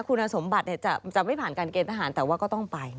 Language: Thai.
คุณสมบัติจะไม่ผ่านการเกณฑ์ทหารแต่ว่าก็ต้องไป